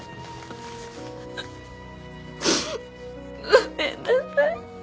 ごめんなさい。